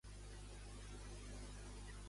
Com va descriure ell Zerzura?